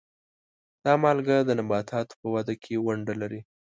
دا مالګه د نباتاتو په وده کې ونډه لري.